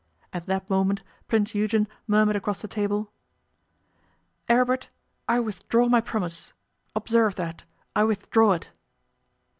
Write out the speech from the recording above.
At that moment Prince Eugen murmured across the table: 'Aribert, I withdraw my promise. Observe that, I withdraw it.